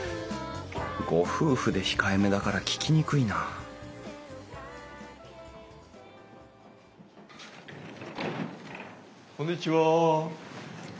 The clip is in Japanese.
ご夫婦で控えめだから聞きにくいなこんにちは。